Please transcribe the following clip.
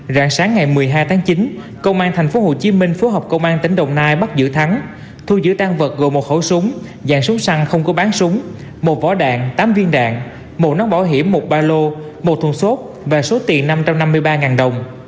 rạng sáng ngày một mươi hai tháng chín công an tp hcm phối hợp công an tỉnh đồng nai bắt giữ thắng thu giữ tan vật gồm một khẩu súng dạng súng săn không có bán súng một vỏ đạn tám viên đạn một nón bảo hiểm một ba lô một thùng xốp và số tiền năm trăm năm mươi ba đồng